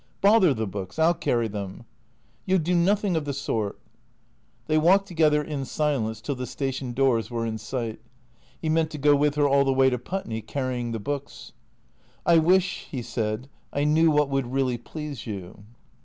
" Bother the books. I '11 carry them." " You '11 do notliing of the sort." They walked together in silence till the station doors were in sight. He meant to go with her all the way to Putney, carrying the books. " I wish," he said, " I know what would really please you."